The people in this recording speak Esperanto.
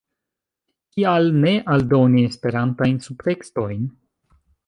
"Kial ne aldoni Esperantajn subtekstojn"?